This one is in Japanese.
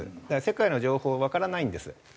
だから世界の情報わからないんです。